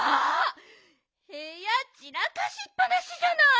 へやちらかしっぱなしじゃない！